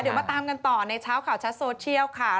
เดี๋ยวมาตามกันต่อในเช้าข่าวชัดโซเชียลค่ะ